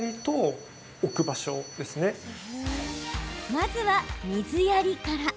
まずは、水やりから。